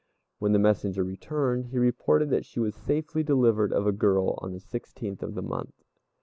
When the messenger returned, he reported that she was safely delivered of a girl on the sixteenth of the month.